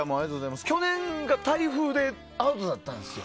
去年が台風でアウトだったんですよ。